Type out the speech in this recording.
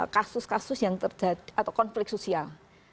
kasus kasus yang terjadi atau konflik sosial